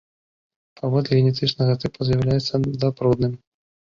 Паводле генетычнага тыпу з'яўляецца запрудным.